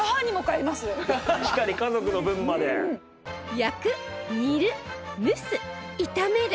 焼く煮る蒸す炒める！